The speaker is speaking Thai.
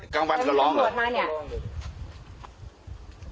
กลางวันก็ร้องมาเนี่ย